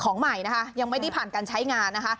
ของใหม่ยังไม่ได้ผ่านการใช้งาน